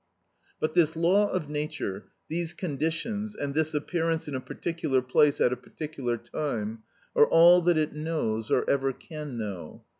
But this law of nature, these conditions, and this appearance in a particular place at a particular time, are all that it knows or ever can know.